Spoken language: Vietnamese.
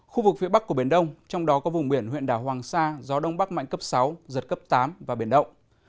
khu vực phía bắc của biển đông trong đó có vùng biển huyện đảo hoàng sa gió đông bắc mạnh cấp sáu giật cấp tám và biển động